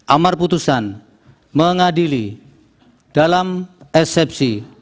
amar putusan mengadili dalam eksepsi